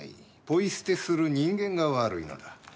ポイ捨てする人間が悪いのだ。